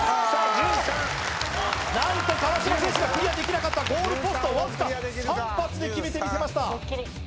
何と川島選手がクリアできなかったゴールポストをわずか３発で決めてみせました